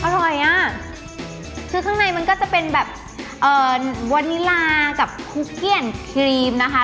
อร่อยอ่ะคือข้างในมันก็จะเป็นแบบเอ่อวานิลากับคุกเกี้ยนครีมนะคะ